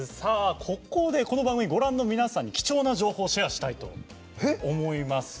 ここで、この番組をご覧の皆さんに貴重な情報をシェアしたいと思います。